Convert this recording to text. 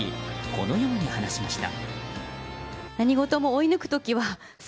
このように話しました。